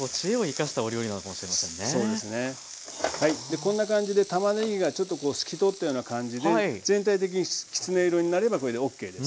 こんな感じでたまねぎがちょっとこう透き通ったような感じで全体的にきつね色になればこれでＯＫです。